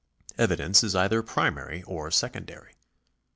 Evidence is either primary or secondary.